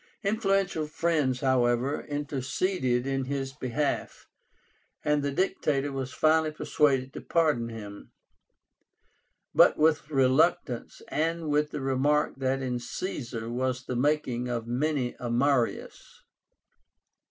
Influential friends, however, interceded in his behalf, and the Dictator was finally persuaded to pardon him; but with reluctance, and with the remark that in Caesar was the making of many a Marius.